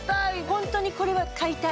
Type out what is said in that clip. ホントにこれは買いたい。